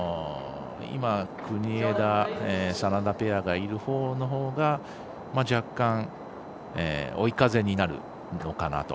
国枝、眞田ペアがいるほうのほうが若干、追い風になるのかなと。